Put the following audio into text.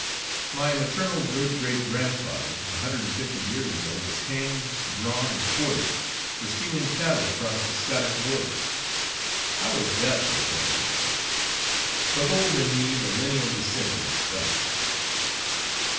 My maternal great great grandfather, a hundred and fifty years ago, was hanged, drawn, and quartered for stealing cattle across the Scottish border. How is that for a pedigree? Behold in me the lineal descendant of a felon!"